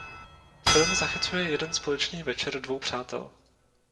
Film zachycuje jeden společný večer dvou přátel.